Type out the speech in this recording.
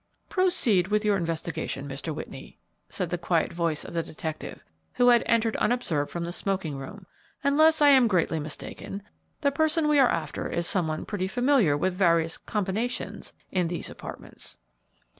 "Proceed with your investigation, Mr. Whitney," said the quiet voice of the detective, who had entered unobserved from the smoking room; "unless I am greatly mistaken, the person we are after is some one pretty familiar with various 'combinations' in these apartments."